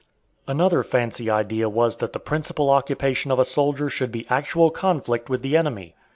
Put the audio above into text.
Another fancy idea was that the principal occupation of a soldier should be actual conflict with the enemy.